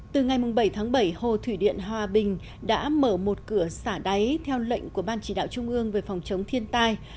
từ ngày bảy tháng bảy hồ thủy điện hòa bình đã mở một cửa xả đáy theo lệnh của ban chỉ đạo trung ương về phòng chống thiên tai